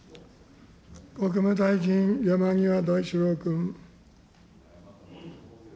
国務大臣、山際大志郎君。